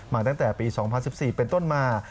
ตั้งแต่ปี๒๐๑๔เป็นต้นมา